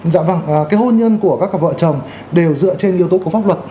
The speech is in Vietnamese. dạ vâng cái hôn nhân của các cặp vợ chồng đều dựa trên yếu tố của pháp luật